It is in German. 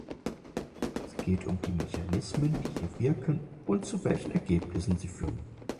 Es geht um die Mechanismen, die hier wirken, und zu welchen Ergebnissen sie führen.